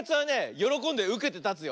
よろこんでうけてたつよ。